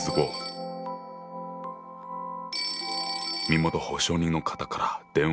☎身元保証人の方から電話だ。